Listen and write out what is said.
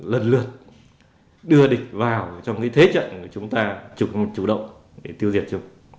lần lượt đưa địch vào trong thế trận chúng ta chủ động tiêu diệt chúng